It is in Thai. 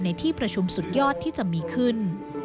ในที่ประชุมสุดยอดที่จะมีขึ้น